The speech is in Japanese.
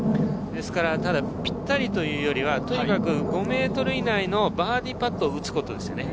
ぴったりというよりはとにかく５ｍ以内のバーディーパットを打つことですね。